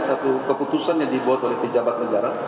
satu keputusan yang dibuat oleh pejabat negara